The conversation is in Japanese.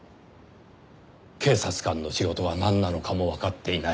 警察官の仕事はなんなのかもわかっていない。